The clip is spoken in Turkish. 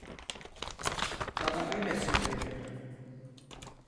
Bana öyle söyledi.